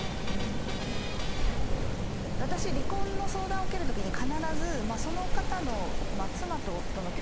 私離婚の相談を受けるときに必ずその方の。